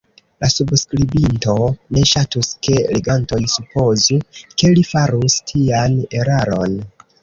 La subskribinto ne ŝatus, ke legantoj supozu, ke li farus tian eraron.